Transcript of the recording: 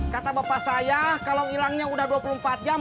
kata bapak saya kalau hilangnya udah dua puluh empat jam